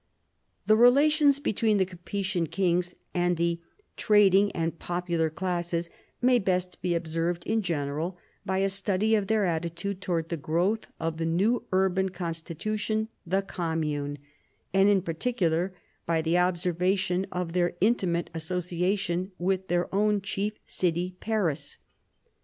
The relations between the Capetian kings and the trading and popular classes may best be observed in general by a study of their attitude towards the growth of the new urban constitution, the commune, and in particular by observation of their intimate association with their own chief city Paris.